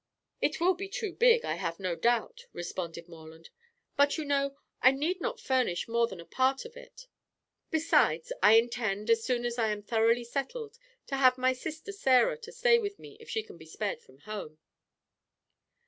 "It will be too big, I have no doubt," responded Morland, "but, you know, I need not furnish more than a part of it. Besides, I intend, as soon as I am thoroughly settled to have my sister Sarah to stay with me if she can be spared from home."